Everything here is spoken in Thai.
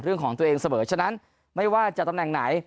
เรื่องของตัวเองเสมอฉะนั้นไม่ว่าจะตำแหน่งไหน